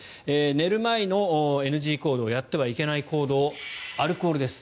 寝る前のＮＧ行動やってはいけない行動アルコールです。